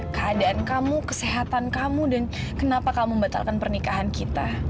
keadaan kamu kesehatan kamu dan kenapa kamu membatalkan pernikahan kita